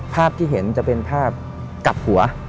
ภาพที่เห็นจะเป็นภาพกลับหัว